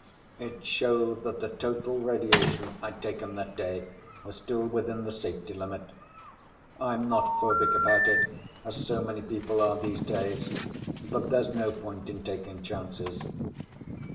It showed that the total radiation I'd taken that day was still within the safety limit. I'm not phobic about it, as so many people are these days, but there's no point in taking chances.